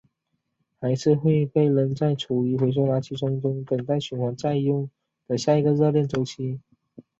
还是会被扔在厨余回收箱中等待循环再用的下一个热恋周期？